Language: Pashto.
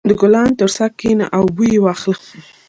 • د ګلانو تر څنګ کښېنه او بوی یې واخله.